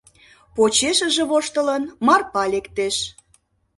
Почешыже, воштылын, Марпа лектеш.